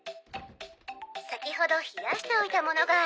「先ほど冷やしておいたものがあります」